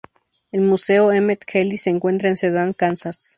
El Museo Emmett Kelly se encuentra en Sedan, Kansas.